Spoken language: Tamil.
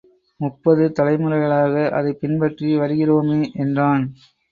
முப்பது தலைமுறைகளாக அதைப் பின்பற்றி வருகிறோமே! என்றான்.